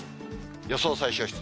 予想最小湿度。